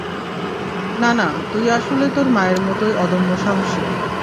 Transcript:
না, না, তুই আসলে তোর মায়ের মতোই অদম্য সাহসী!